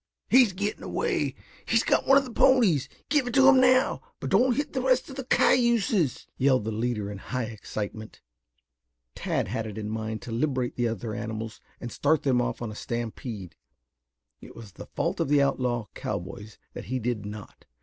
"He's getting away. He's got one of the ponies. Give it to him now, but don't hit the rest of the cayuses!" yelled the leader in high excitement. Tad had it in mind to liberate the other animals and start them off on a stampede. It was the fault of the outlaw cowboys that he did not.